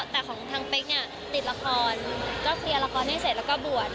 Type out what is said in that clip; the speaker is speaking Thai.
แต่ของทางเป๊กเนี่ยติดละครก็เคลียร์ละครให้เสร็จแล้วก็บวช